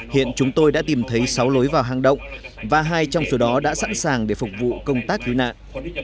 hiện chúng tôi đã tìm thấy sáu lối vào hang động và hai trong số đó đã sẵn sàng để phục vụ công tác cứu nạn